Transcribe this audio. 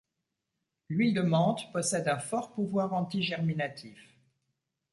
L'huile de menthe possède un fort pouvoir anti-germinatif.